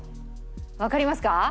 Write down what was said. わかりますか？